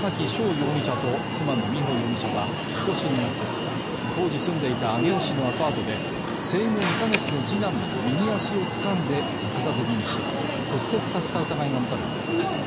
容疑者と妻の美穂容疑者は今年２月、当時住んでいた上尾市のアパートで生後２か月の次男の右足を掴んで逆さづりにし、骨折させた疑いが持たれています。